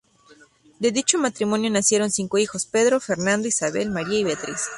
De dicho matrimonio nacieron cinco hijos: Pedro, Fernando, Isabel, María y Beatriz.